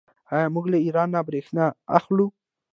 آیا موږ له ایران بریښنا اخلو؟